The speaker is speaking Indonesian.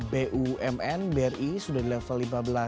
bumn bri sudah di level lima belas